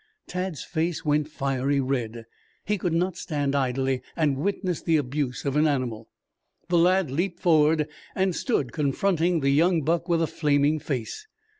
Tad's face went fiery red. He could not stand idly and witness the abuse of an animal. The lad leaped forward and stood confronting the young buck with flaming face.